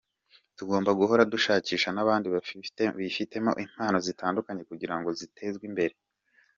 Tugomba guhora dushakisha n’abandi bifitemo impano zitandukanye kugira ngo zitezwe imbere.